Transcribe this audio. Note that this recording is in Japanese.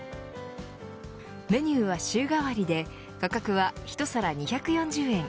メニューは週替わりで価格は１皿２４０円。